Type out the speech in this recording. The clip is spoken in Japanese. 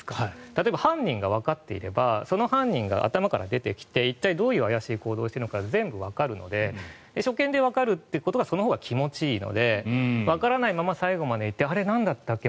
例えば犯人がわかっていればその犯人が頭から出てきて一体、どういう怪しい行動をしているのか全部わかるので初見でわかるということはそのほうが気持ちいいのでわからないまま最後まで行ってなんだっけ？